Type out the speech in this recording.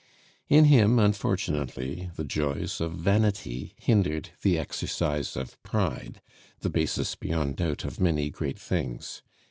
In him, unfortunately, the joys of vanity hindered the exercise of pride the basis, beyond doubt, of many great things.